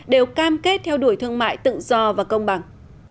đều cam kết theo đuổi thương mại tự do và công bằng